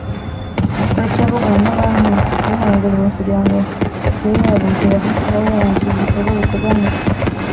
Baracyavugana na banki yabahaye inguzanyo kugira ngo ibe yabongereraho babe barangiza ibikorwa biteganijwe